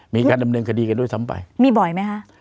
มีการดำเนินคดีกันด้วยซ้ำไปมีบ่อยไหมคะ